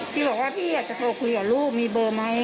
ที่บอกว่าพี่อยากจะโทรคุยกับลูกมีเบอร์ไหม